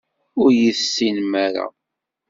Ur iyi-tessinem ara.